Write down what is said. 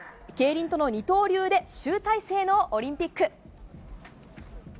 競輪との二刀流で集大成のオリンピック。